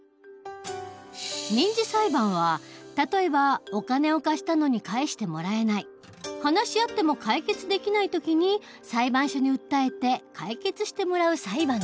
民事裁判は例えばお金を貸したのに返してもらえない話し合っても解決できない時に裁判所に訴えて解決してもらう裁判の事。